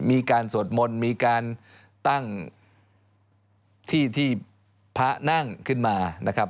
มีการสวดมนต์มีการตั้งที่ที่พระนั่งขึ้นมา